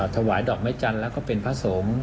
ถวายดอกไม้จันทร์แล้วก็เป็นพระสงฆ์